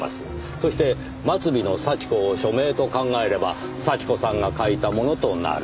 そして末尾の「幸子」を署名と考えれば幸子さんが書いたものとなる。